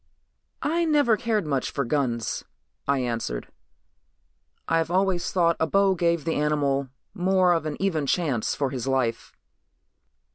"I never cared much for guns," I answered. "I've always thought a bow gave the animal more of an even chance for his life."